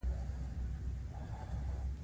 ایا زه باید ګولۍ وکاروم؟